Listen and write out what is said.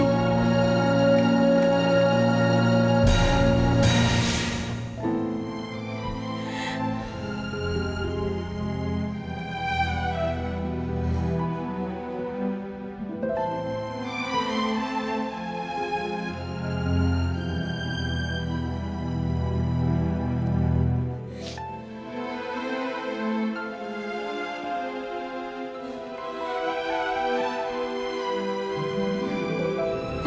tentang minta maaf ya